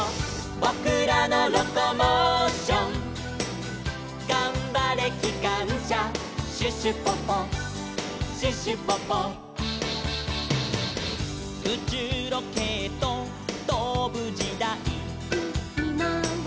「ぼくらのロコモーション」「がんばれきかんしゃ」「シュシュポポシュシュポポ」「うちゅうロケットとぶじだい」